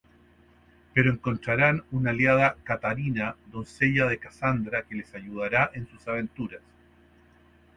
Pero encontrarán una aliada, Katarina, doncella de Cassandra, que les ayudará en sus aventuras.